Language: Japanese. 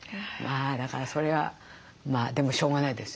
だからそれはまあでもしょうがないですよね。